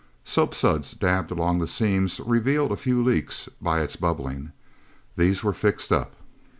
Soapsuds dabbed along the seams revealed a few leaks by its bubbling. These were fixed up.